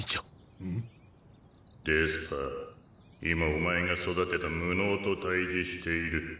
今お前が育てた無能と対峙している。